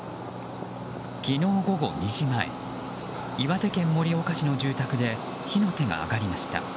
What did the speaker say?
昨日午後２時前、岩手県盛岡市の住宅で火の手が上がりました。